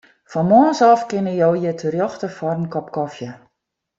Fan moarns ôf kinne jo hjir terjochte foar in kop kofje.